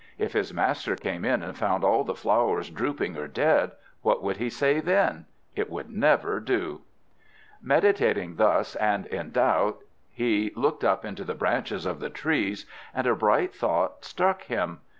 If his master came in and found all the flowers drooping or dead, what would he say then! It would never do. Meditating thus, and in doubt, he looked up into the branches of the trees, and a bright thought struck him.